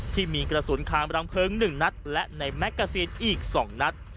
ที่มีกระสุนคามรังเพลิง๑นัดและในแมกกาซีนอีก๒นัด